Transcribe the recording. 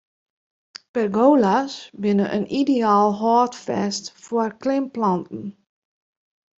Pergola's binne in ideaal hâldfêst foar klimplanten.